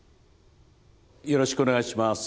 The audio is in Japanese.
よろしくお願いします。